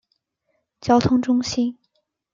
交通中心。